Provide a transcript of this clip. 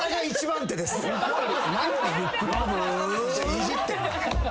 いじってる。